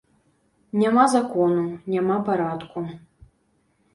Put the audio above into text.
Няма закону, няма парадку.